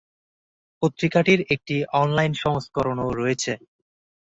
পত্রিকাটির একটি অনলাইন সংস্করণও রয়েছে।